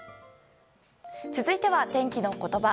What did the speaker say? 続いては、天気のことば。